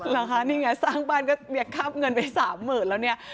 หรอคะนี่ไงสร้างบ้านก็ข้าบเงินไป๓๐๐๐๐บาทแล้วเนี่ย